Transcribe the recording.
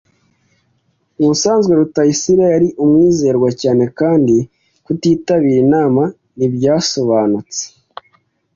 Ubusanzwe Rutayisire yari umwizerwa cyane kandi kutitabira inama ntibyasobanutse.